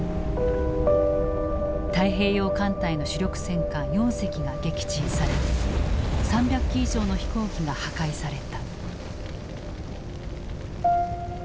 太平洋艦隊の主力戦艦４隻が撃沈され３００機以上の飛行機が破壊された。